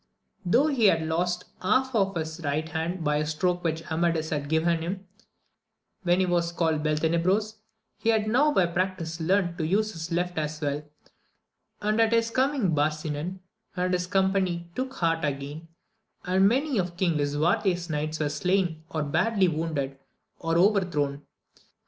Though he had lost half of his right hand by a stroke which Amadis had given him when he was called Beltenebros, he had now by practice learnt to use the left as well ; and at his coming Barsinan and his company took heart again, and many of King Lisuarte's knights were slain or badly wounded, or overtlurown.